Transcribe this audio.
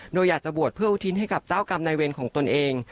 โดยอยากจะบวชเพื่ออุทิศให้กับเจ้ากรรมนายเวรของตนเอง